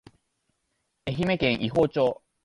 愛媛県伊方町